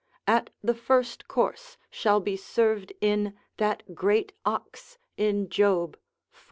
At the first course shall be served in that great ox in Job iv.